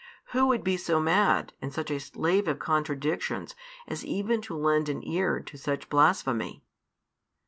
Who would be so mad and such a slave of contradictions as even to lend an ear to such blasphemy?